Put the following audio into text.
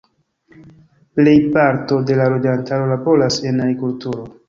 Plejparto de la loĝantaro laboras en agrikulturo.